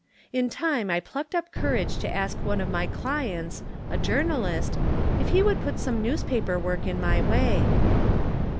In time I plucked up courage to ask one of my clients, a journalist, if he could put some newspaper work in my way.